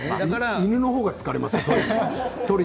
犬のほうが疲れちゃう。